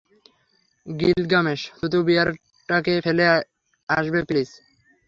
Gilgamesh, থুথু বিয়ারটাকে ফেলে আসবে প্লিজ?